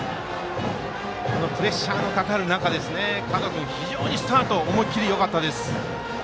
このプレッシャーのかかる中で角君、非常にスタートの思い切りよかったです。